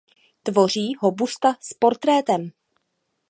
Tvoří ho busta s portrétem.